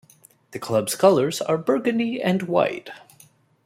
The club's colors are Burgundy and White.